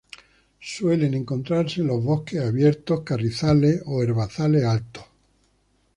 Suelen encontrarse en los bosques abiertos, carrizales o herbazales altos.